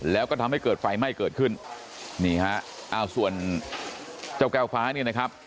แล้วก็ทำให้เกิดไฟไหม้เกิดขึ้นนี่ฮะอ้าวส่วนเจ้าแก้วฟ้าเนี่ยนะครับ